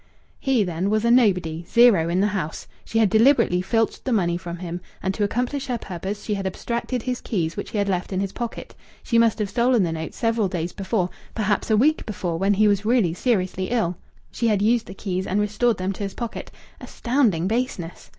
He, then, was a nobody zero in the house! She had deliberately filched the money from him, and to accomplish her purpose she had abstracted his keys, which he had left in his pocket. She must have stolen the notes several days before, perhaps a week before, when he was really seriously ill. She had used the keys and restored them to his pocket. Astounding baseness!